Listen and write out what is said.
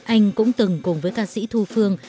anh cũng từng cùng với ca sĩ thu phương